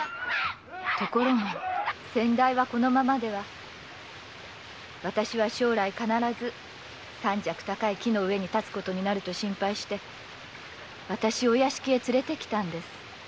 ところが先代はこのままでは将来必ず三尺高い木の上に立つだろうと心配して私をお屋敷へ連れて来たんです。